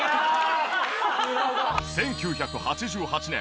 １９８８年